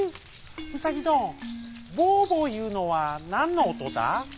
ウサギどんボボいうのはなんのおとだ？」。